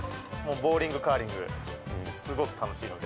ボウリングカーリングすごく楽しいので。